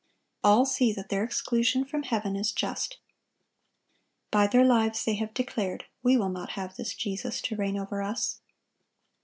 All see that their exclusion from heaven is just. By their lives they have declared, "We will not have this Jesus to reign over us."